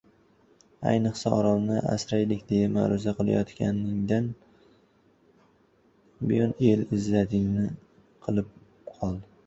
Ayniqsa, Orolni asraylik, deya ma’ruza qilayotganingdan buyon, el izzatingni qilib qoldi!